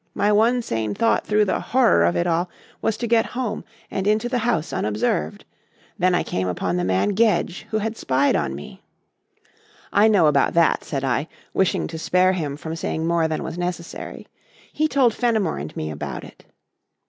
My one sane thought through the horror of it all was to get home and into the house unobserved. Then I came upon the man Gedge, who had spied on me." "I know about that," said I, wishing to spare him from saying more than was necessary. "He told Fenimore and me about it."